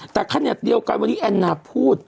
แต่ขั้นหัวเดียวกันวันนี้อันน่าพูด